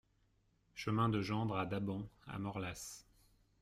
Chemin de Gendre à Daban à Morlaàs